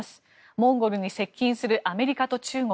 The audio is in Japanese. モンゴルに接近するアメリカと中国。